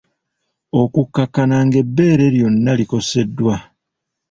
Okukkakkana ng’ebbeere lyonna likoseddwa.